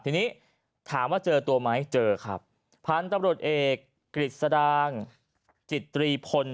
ทีนี้ถามว่าเจอตัวไหมเจอครับพันธุ์ตำรวจเอกกฤษดางจิตตรีพล